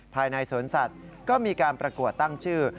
ภายในสวนสัตว์ก็มีการประกวดตั้งชื่อ